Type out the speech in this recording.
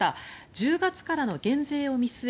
１０月からの減税を見据え